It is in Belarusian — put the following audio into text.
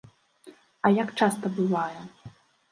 А як часта бывае?